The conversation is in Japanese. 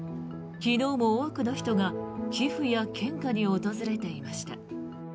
昨日も多くの人が寄付や献花に訪れていました。